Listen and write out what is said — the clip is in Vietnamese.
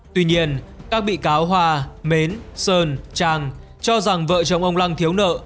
tuy nhiên các bị cáo hòa mến sơn trang cho rằng vợ chồng ông lăng thiếu nợ